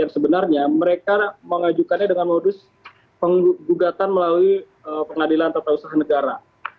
sebenarnya mereka mengajukannya dengan modus penggugatan melalui pengadilan tata usaha negara